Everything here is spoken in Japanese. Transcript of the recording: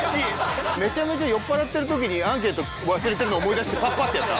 めちゃめちゃ酔っ払ってる時にアンケート忘れてるの思い出してパッパッてやった？